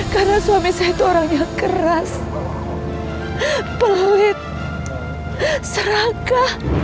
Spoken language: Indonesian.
karena suami saya itu orang yang keras pelit serangka